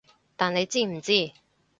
但你知唔知